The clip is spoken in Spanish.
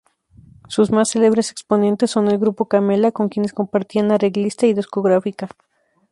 Sus más celebres exponentes son el grupo Camela, con quienes compartían arreglista y discográfica.